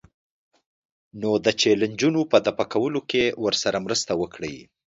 نو د چیلنجونو په دفع کولو کې ورسره مرسته وکړئ.